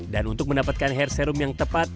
dan untuk mendapatkan hair serum yang tepat